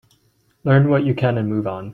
Learn what you can and move on.